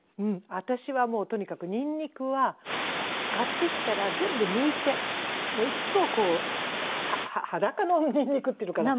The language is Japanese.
私はもうとにかくニンニクは買ってきたら全部むいていつもこう裸のニンニクっていうのかな。